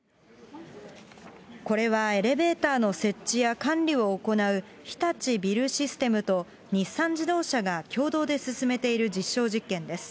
これはエレベーターの設置や管理を行う日立ビルシステムと、日産自動車が共同で進めている実証実験です。